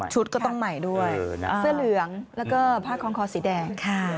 ก็ต้องใหม่ด้วยเสื้อเหลืองแล้วก็ผ้าคล้องคอสีแดง